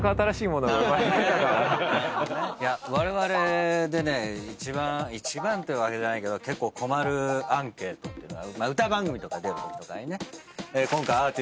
われわれでね一番一番ってわけじゃないけど結構困るアンケートっていうのは。